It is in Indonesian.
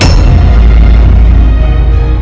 kamu gak usah gr